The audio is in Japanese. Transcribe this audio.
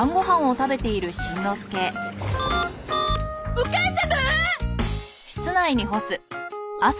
お母様！